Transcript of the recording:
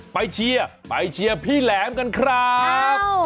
เชียร์ไปเชียร์พี่แหลมกันครับ